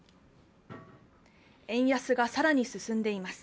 円安が更に進んでいます。